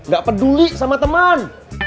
gak peduli sama temen